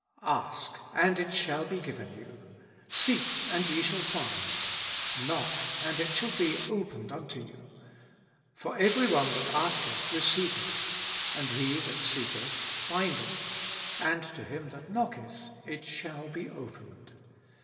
Ask, and it shall be given yon; seek, and ye shall find; knock, and it shall be opened unto yott; for every one that asketh receiveth ; and he that seeketh findeth ; and to him that knocketh it shall be opened.